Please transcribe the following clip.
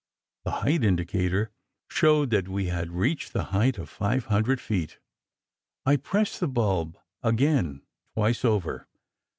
The height indicator showed that we had reached the height of five hundred feet. I pressed the bulb again twice over.